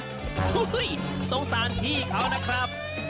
โหนยโน้ตสงสารพี่เขาน่ะครับ